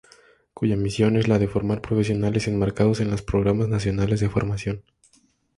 Cuya misión es la de formar profesionales, enmarcados en los Programas Nacionales de Formación.